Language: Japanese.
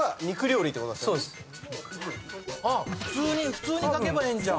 普通に書けばええんちゃう？